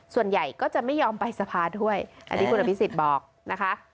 ส่วนใหญ่ก็จะไม่ยอมไปสภาด้วยอันนี้คุณอภิษฎบอกนะคะ